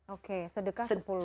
oke sedekah sepuluh